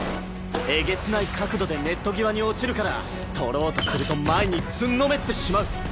えげつない角度でネット際に落ちるから取ろうとすると前につんのめってしまう。